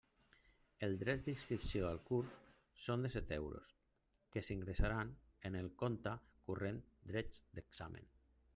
Els drets d'inscripció al curs són de set euros, que s'ingressaran en el compte corrent drets d'examen.